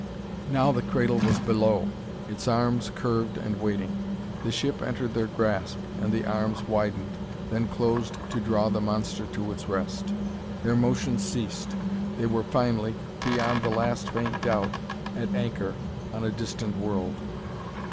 Now the cradle was below, its arms curved and waiting. The ship entered their grasp, and the arms widened, then closed to draw the monster to its rest. Their motion ceased. They were finally, beyond the last faint doubt, at anchor on a distant world.